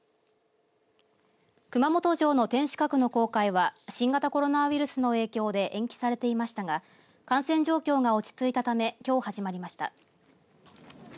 熊本城の天守閣の公開は新型コロナウイルスの影響で延期されていましたが感染状況が落ち着いたためきょう、始まりました。